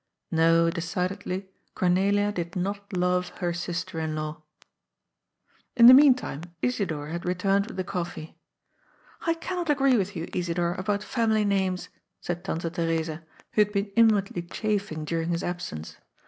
No, decidedly, Cornelia did not love her sister in law. In the meantime Isidor had returned with the coffee. " I cannot agree with you, Isidor, about family names," said Tante Theresa, who had been inwardly chafing during his absence.